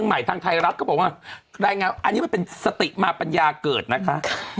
อันนี้เป็นสติมาปัญญาเกิดนะคะค่ะ